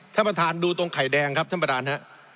ท่านประธานดูตรงไข่แดงครับท่านประธานฮะ